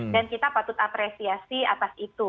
dan kita patut apresiasi atas itu